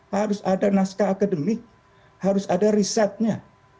harus ada naskah akademik harus ada risetnya